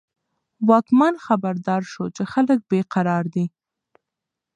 واکمن خبردار شو چې خلک بې قرار دي.